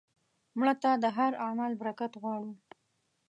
مړه ته د هر عمل برکت غواړو